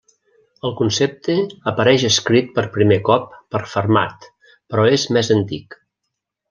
El concepte apareix escrit per primer cop per Fermat, però és més antic.